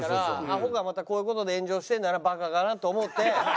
アホがまたこういう事で炎上してるんだなバカだなと思って。